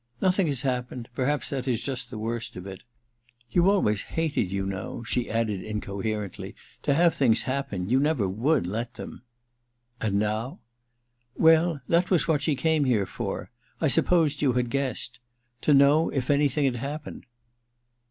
^Nothing has happened — perhaps that is just the worst of it. You always hated^ you know/ she added incoherently, * to have things happen : you never would let them.' * And now ^'* Well, that was what she came here for : I supposed you had guessed. To know if any thing had happened.'